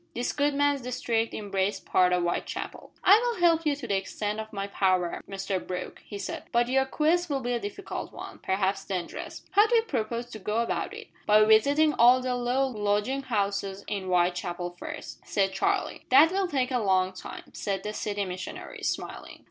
This good man's district embraced part of Whitechapel. "I will help you to the extent of my power, Mr Brooke," he said, "but your quest will be a difficult one, perhaps dangerous. How do you propose to go about it?" "By visiting all the low lodging houses in Whitechapel first," said Charlie. "That will take a long time," said the City Missionary, smiling.